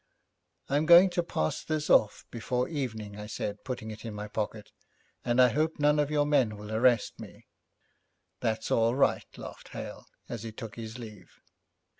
'I'm going to pass this off before evening,' I said, putting it in my pocket, 'and I hope none of your men will arrest me.' 'That's all right,' laughed Hale as he took his leave.